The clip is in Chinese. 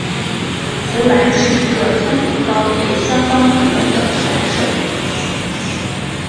佛兰是一个天赋高也相当努力的选手。